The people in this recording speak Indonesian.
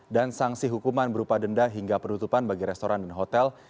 dan sanksi hukuman berupa denda hingga penutupan bagi restoran dan hotel